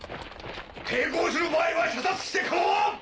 抵抗する場合は射殺してかまわん！